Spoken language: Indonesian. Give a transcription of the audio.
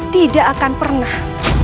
tidak akan pernah